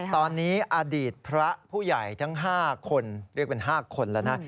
ตอนนี้อดีตพระผู้ใหญ่ทั้ง๕คนเรียกเป็น๕คนแล้วนะ